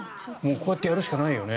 こうやってやるしかないよね。